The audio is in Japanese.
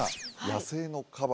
野生のカバ